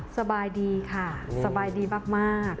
สบายดีค่ะสบายดีมาก